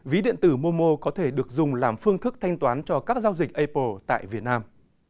ví điện tử momo có thể được dùng làm phương thức thanh toán cho các giao dịch apple tại việt nam